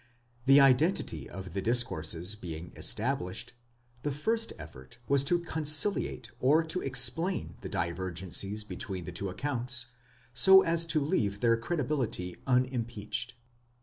The identity of the discourses being established, the first effort was to con ciliate or to explain the divergencies between the two accounts so as to leave their credibility unimpeached.